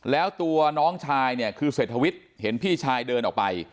แล้วตัวน้องชายเนี่ยคือเศรษฐวิทย์เห็นพี่ชายเดินออกไป